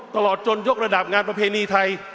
ตลอดจนยกระดับงานประเพณีไทย